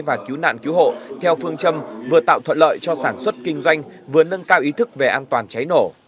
và cứu nạn cứu hộ theo phương châm vừa tạo thuận lợi cho sản xuất kinh doanh vừa nâng cao ý thức về an toàn cháy nổ